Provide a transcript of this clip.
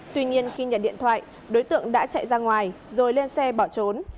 tuy nhiên khi nhận điện thoại đối tượng đã chạy ra ngoài rồi lên xe bỏ trốn